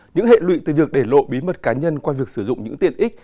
những hệ lụy từ việc để lộ bí mật cá nhân qua việc sử dụng những tiện ích